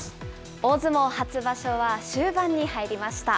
大相撲初場所は終盤に入りました。